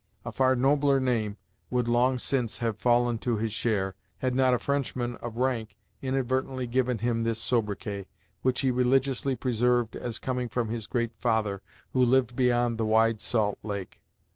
A far nobler name would long since have fallen to his share, had not a French man of rank inadvertently given him this sobriquet, which he religiously preserved as coming from his Great Father who lived beyond the Wide Salt Lake.